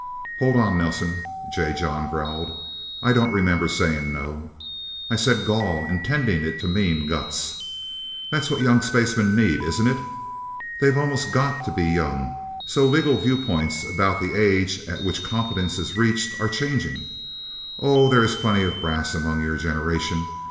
"Hold on, Nelsen," J. John growled. "I don't remember saying no. I said 'gall,' intending it to mean guts. That's what young spacemen need, isn't it? They've almost got to be young, so legal viewpoints about the age at which competence is reached are changing. Oh, there is plenty of brass among your generation.